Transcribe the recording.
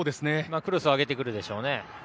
クロスを上げてくるでしょうね。